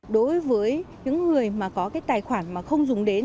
đối với những người mà có cái tài khoản mà không dùng đến